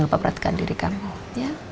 lihatkan diri kamu